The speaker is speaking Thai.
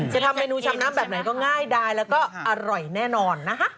ทำเมนูชำน้ำแบบไหนก็ง่ายดายแล้วก็อร่อยแน่นอนนะคะ